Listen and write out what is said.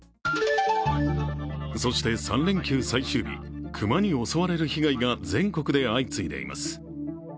そして３連休最終日、熊に襲われる被害が全国で相次いでいます。